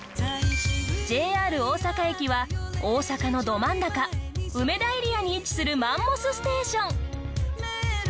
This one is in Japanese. ＪＲ大阪駅は大阪のど真ん中梅田エリアに位置するマンモスステーション。